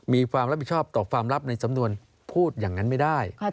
มีความรับผิดชอบต่อความลับในสำนวนพูดอย่างนั้นไม่ได้